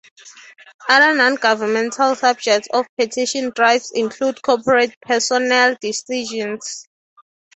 Other nongovernmental subjects of petition drives include corporate personnel decisions.